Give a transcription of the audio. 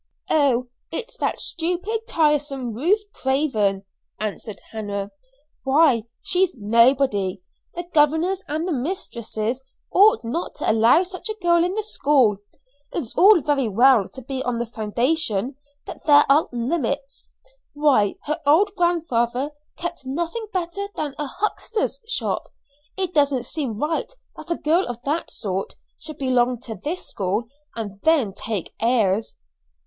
"Oh, it's that stupid, tiresome Ruth Craven," answered Hannah. "Why, she's nobody. The governors and the mistress ought not to allow such a girl in the school. It's all very well to be on the foundation, but there are limits. Why, her old grandfather kept nothing better than a huckster's shop. It doesn't seem right that a girl of that sort should belong to this school, and then take airs."